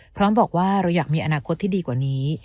พร้อมบอกว่าเราอยากมีอนาคตที่ดีกว่านี้